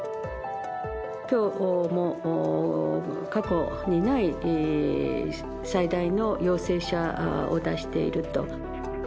きょうも過去にない最大の陽性者を出していると。